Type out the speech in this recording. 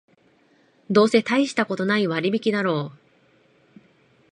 どうせたいしたことない割引だろう